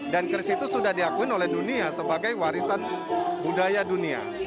dan keris itu sudah diakuin oleh dunia sebagai warisan budaya dunia